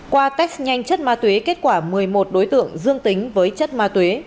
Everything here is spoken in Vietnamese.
qua test nhanh chất ma tuyế kết quả một mươi một đối tượng dương tính với chất ma tuyế